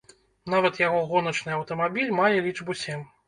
Нават яго гоначны аўтамабіль мае лічбу сем.